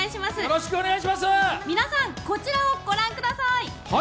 皆さん、こちらをご覧ください。